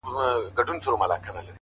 پوهه د فکر افقونه لرې وړي’